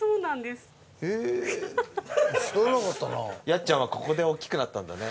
やっちゃんはここでおっきくなったんだね。